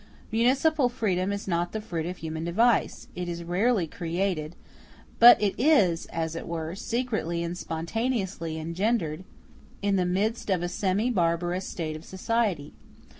Municipal freedom is not the fruit of human device; it is rarely created; but it is, as it were, secretly and spontaneously engendered in the midst of a semi barbarous state of society.